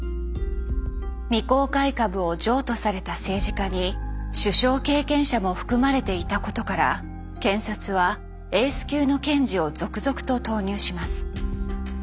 未公開株を譲渡された政治家に首相経験者も含まれていたことから検察はエース級の検事を続々と投入します。